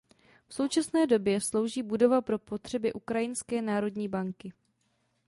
V současné době slouží budova pro potřeby ukrajinské národní banky.